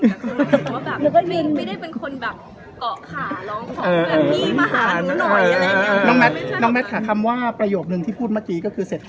แต่หลายคุณบอกว่าไทม์ไลน์ของเรามันไม่ได้ถึงที่แบบว่าเราเป็นสาเหตุหนึ่งที่ทำให้เขากดทะเบียนหย่าเร็วขึ้น